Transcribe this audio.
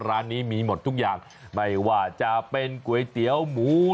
ร้านนี้มีหมดทุกอย่างไม่ว่าจะเป็นก๋วยเตี๋ยวหมู